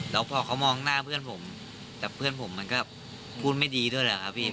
แล้วพอเขามองหน้าเพื่อนผมแต่เพื่อนผมมันก็พูดไม่ดีด้วยแหละครับพี่